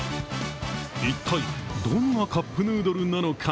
一体どんなカップヌードルなのか。